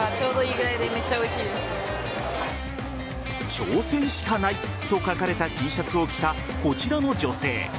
挑戦しかないと書かれたＴシャツを着たこちらの女性。